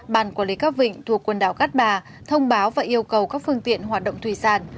bàn quản lý các vịnh thuộc quần đảo cát bà thông báo và yêu cầu các phương tiện hoạt động thủy sản